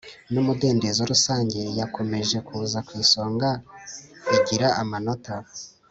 n umudendezo rusange yakomeje kuza ku isonga igira amanota